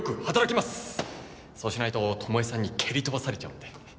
そうしないと巴さんに蹴り飛ばされちゃうんで。